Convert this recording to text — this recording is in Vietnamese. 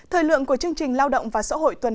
trị lợi nông thị lợi